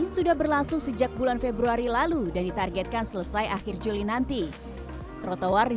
sudah berlangsung sejak bulan februari lalu dan ditargetkan selesai akhir juli nanti trotoar di